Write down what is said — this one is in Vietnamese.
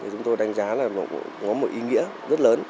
chúng tôi đánh giá là nó cũng có một ý nghĩa rất lớn